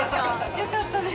よかったです。